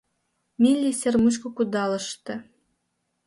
Милли сер мучко кудалыште.